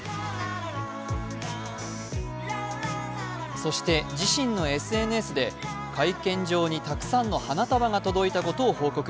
そして、自身のＳＮＳで会見場にたくさんの花束が届いたことを報告。